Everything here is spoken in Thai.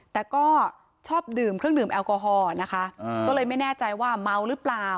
แต่ก็ชอบดื่มเครื่องดื่มแอลกอฮอล์นะคะก็เลยไม่แน่ใจว่าเมาหรือเปล่า